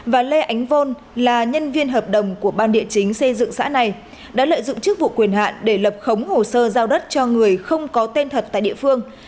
và lê ánh vôn là nhân viên hợp đồng của ban địa chính xây dựng xã này đã lợi dụng chức vụ quyền hạn để lập khống hồ sơ giao đất cho người không có tên thật tại địa phương